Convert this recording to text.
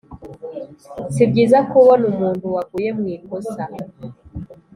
si byiza kubona umuntu waguye mu ikosa